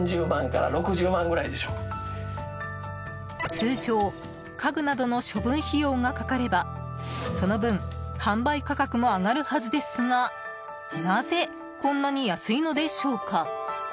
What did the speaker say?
通常、家具などの処分費用がかかればその分、販売価格も上がるはずですがなぜ、こんなに安いのでしょうか。